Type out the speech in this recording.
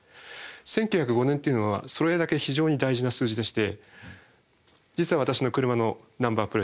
１９０５年というのはそれだけ非常に大事な数字でして実は私の車のナンバープレートも１９０５と。